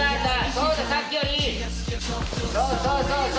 そうそうそうそう！